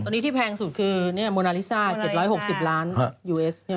ตอนนี้ที่แพงสุดคือโมนาลิซ่า๗๖๐ล้านยูเอสใช่ไหม